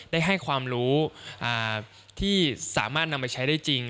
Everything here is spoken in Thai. ได้ให้ความรู้ที่สามารถนำไปใช้ได้จริง